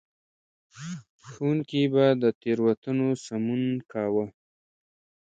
ښوونکي به د تېروتنو سمون کاوه.